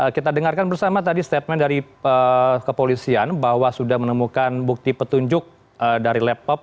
kita dengarkan bersama tadi statement dari kepolisian bahwa sudah menemukan bukti petunjuk dari laptop